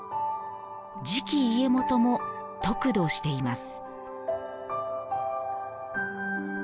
次期家元も得度しています。